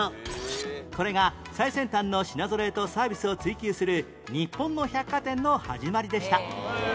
これが最先端の品ぞろえとサービスを追求する日本の百貨店の始まりでした